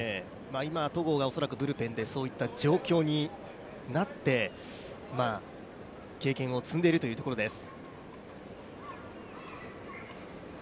今、戸郷が恐らくブルペンでそういった状況になって経験を積んでいるというところです。